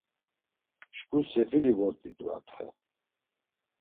Şǩu sefili vort̆itu atxe.